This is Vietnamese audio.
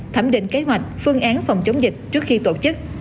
thẩm định kế hoạch phương án phòng chống dịch trước khi tổ chức